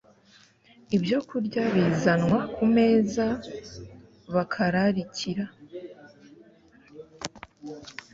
ibyokurya bizanwa ku meza bakararikira